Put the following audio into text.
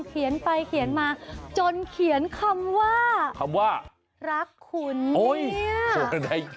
เขียนไปเขียนมาจนเขียนคำว่าคำว่ารักคุณโอ้ย